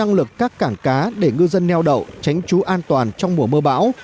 năng lực các cảng cá để ngư dân neo đậu tránh trú an toàn trong mùa mưa bão